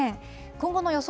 今後の予想